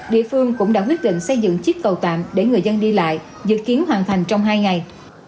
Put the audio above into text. địa phương cũng đã quyết định xây dựng chiếc cầu tạm để người dân đi lại dự kiến hoàn thành trong hai ngày